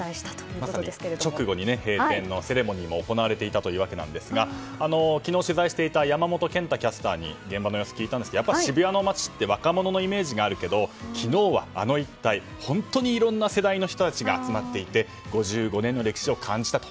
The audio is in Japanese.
まさに直後に閉店のセレモニーも行われていたんですが昨日、取材していた山本賢太キャスターに現場の様子を聞いたんですが渋谷の街って若者の街というイメージがあったんですがあの時はいろんな年代の人が集まっていて５５年の歴史を感じたと。